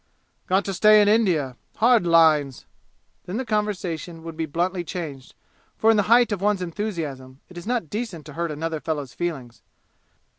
"Got to stay in India? Hard lines!" Then the conversation would be bluntly changed, for in the height of one's enthusiasm it is not decent to hurt another fellow's feelings.